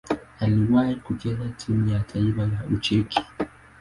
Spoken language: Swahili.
Aliwahi kucheza timu ya taifa ya Ucheki.